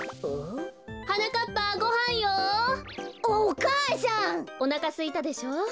おなかすいたでしょ？